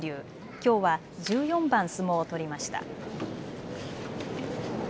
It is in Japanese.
きょうは１４番相撲を取りました。